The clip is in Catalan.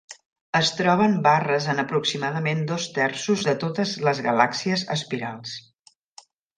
Es troben barres en aproximadament dos terços de totes les galàxies espirals.